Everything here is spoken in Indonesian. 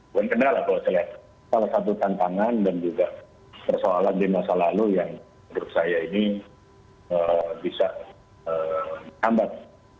bukan kendala kalau saya lihat salah satu tantangan dan juga persoalan di masa lalu yang menurut saya ini bisa hambat